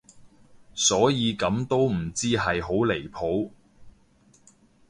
所以咁都唔知係好離譜